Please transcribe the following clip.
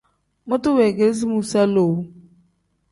Mutu weegeresi muusa lowu.